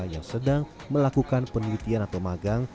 yang sedang melakukan penelitian atau magang